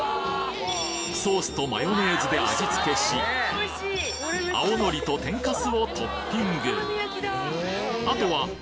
ソースとマヨネーズで味付けし青のりと天かすをトッピングあとはえ